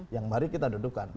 yang mari kita dudukan